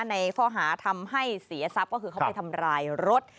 ในข้อหาทำให้เสียทรัพย์ก็คือเขาไปทำร้ายรถ